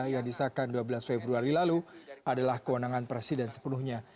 yang disahkan dua belas februari lalu adalah kewenangan presiden sepenuhnya